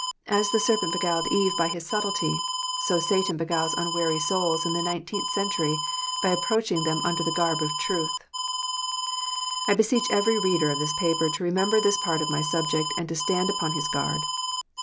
"As the serpent beguiled Eve by his subtilty," so Satan beguiles unwary souls in the nineteenth century by approach ing them under the garb of truth. I beseech every reader of this paper to remember this part of my subject, and to stand upon his guard.